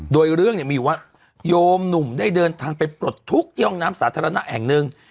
โดยเรื่องเนี่ยมีอยู่ว่าโยมหนุ่มได้เดินทางไปปลดทุกข์ที่ห้องน้ำสาธารณะแห่งหนึ่ง